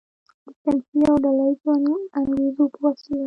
د صنفي او ډله ییزو انګیزو په وسیله.